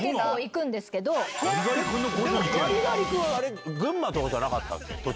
ガリガリ君は群馬とかじゃなかったっけ？